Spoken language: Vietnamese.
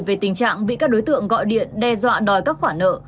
về tình trạng bị các đối tượng gọi điện đe dọa đòi các khoản nợ